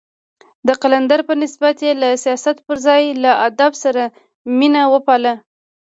د قلندر په نسبت يې له سياست پر ځای له ادب سره مينه وپالله.